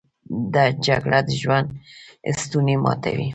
جګړه د ژوند ستونی ماتوي